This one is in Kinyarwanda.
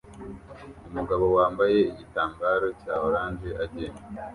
Umugabo wambaye igitambaro cya orange agenda